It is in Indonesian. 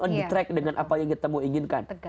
on the track dengan apa yang kita inginkan